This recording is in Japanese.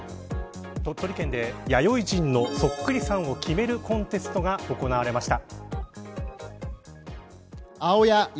鳥取県で弥生人のそっくりさんを決めるコンテストが行われました。